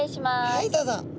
はいどうぞ。